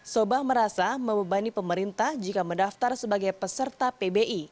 sobah merasa membebani pemerintah jika mendaftar sebagai peserta pbi